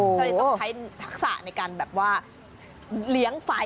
ต้องใช้ทักษะในการแบบว่าเหลียงไฟ